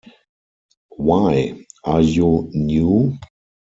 Why, are you new?